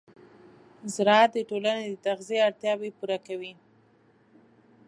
زراعت د ټولنې د تغذیې اړتیاوې پوره کوي.